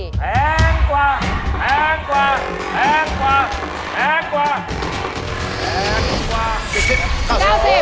แพงกว่าแพงกว่าแพงกว่าแพงกว่า